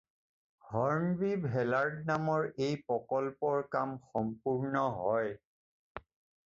Hornby ভেলাৰ্ড নামৰ এই প্ৰকল্পৰ কাম সম্পূৰ্ণ হয়।